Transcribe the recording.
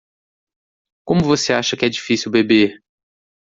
Como você acha que é difícil beber?